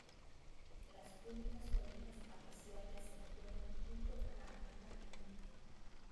Las únicas colinas apreciables se encuentran junto a la avenida La Limpia.